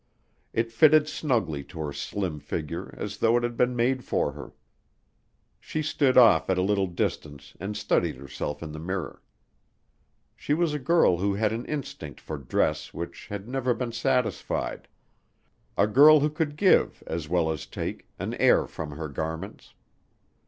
It fitted snugly to her slim figure as though it had been made for her. She stood off at a little distance and studied herself in the mirror. She was a girl who had an instinct for dress which had never been satisfied; a girl who could give, as well as take, an air from her garments.